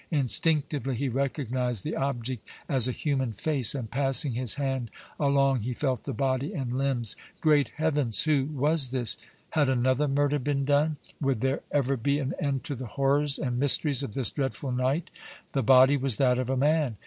Instinctively he recognized the object as a human face, and passing his hand along he felt the body and limbs. Great heavens! who was this? Had another murder been done? Would there ever be an end to the horrors and mysteries of this dreadful night? The body was that of a man.